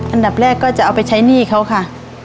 อันดับแรกก็จะเอาไปใช้หนี้เขาค่ะ